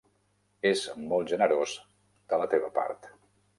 És molt generós de la teva part.